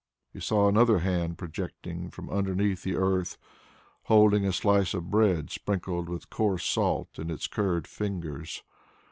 He saw another hand projecting from underneath the earth holding a slice of bread sprinkled with coarse salt in its curved fingers.